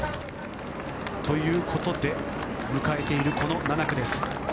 ということで迎えているこの７区です。